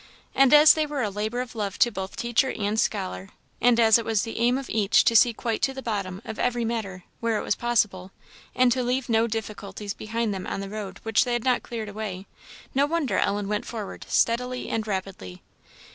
And as they were a labour of love to both teacher and scholar, and as it was the aim of each to see quite to the bottom of every matter, where it was possible, and to leave no difficulties behind them on the road which they had not cleared away, no wonder Ellen went forward steadily and rapidly.